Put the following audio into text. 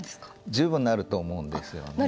十分なると思うんですよね。